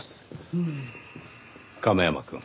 亀山くん。